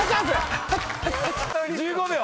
１５秒！